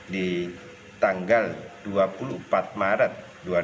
di tanggal dua puluh empat maret dua ribu dua puluh